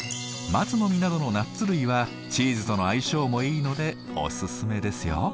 松の実などのナッツ類はチーズとの相性もいいのでオススメですよ。